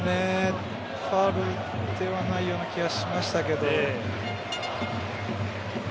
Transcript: ファウルではないような気がしましたが。